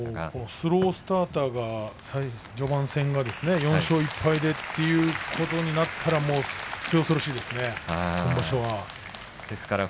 スロースターターが序盤戦４勝１敗ということになったら末恐ろしいですね。